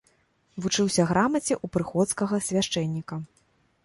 Вучыўся грамаце ў прыходскага свяшчэнніка.